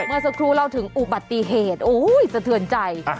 เมื่อสักครู่เล่าถึงอุบัติเหตุโอ้ยสะเทือนใจ